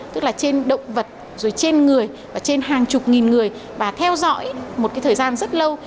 tức là trên động vật rồi trên người và trên hàng chục nghìn người và theo dõi một cái thời gian rất lâu